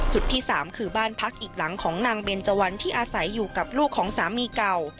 ที่๓คือบ้านพักอีกหลังของนางเบนเจวันที่อาศัยอยู่กับลูกของสามีเก่า